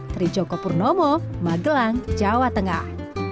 trijoko purnomo magelang jawa tengah